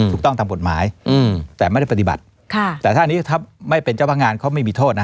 ถูกต้องตามกฎหมายอืมแต่ไม่ได้ปฏิบัติค่ะแต่ถ้าอันนี้ถ้าไม่เป็นเจ้าพนักงานเขาไม่มีโทษนะ